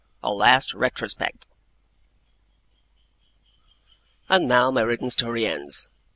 A LAST RETROSPECT And now my written story ends.